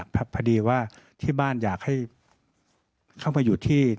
พอดีว่าที่บ้านอยากให้เข้ามาอยู่ที่